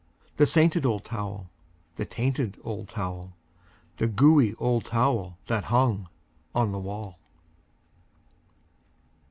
The sainted old towel, the tainted old towel, The gooey old towel that hung on the wall.